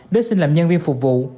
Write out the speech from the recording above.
đưa sinh làm nhân viên phục vụ